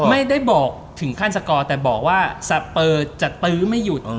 ไม่ได้บอกถึงขั้นสกอร์แต่บอกว่าสเปอร์จะตื้อไม่หยุด